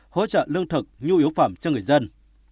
hỗ trợ lương thực nhu yếu phẩm cho người dân